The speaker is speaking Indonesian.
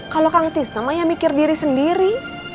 kalau kang tisnama yang mikir diri sendiri